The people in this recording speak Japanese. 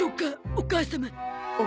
お母様？